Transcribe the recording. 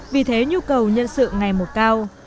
vì thế nhu cầu nhân sự ngày một cao